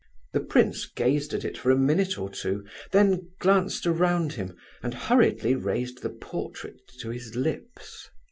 The prince gazed at it for a minute or two, then glanced around him, and hurriedly raised the portrait to his lips.